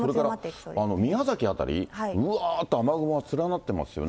それから宮崎の辺り、ぶわーっと雨雲連なってますよね。